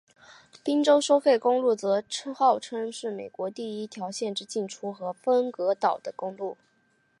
宾州收费公路则号称是美国第一条限制进出和有分隔岛的公路。